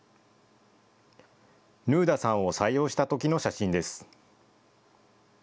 ヌーダさんを採用したときの写真です。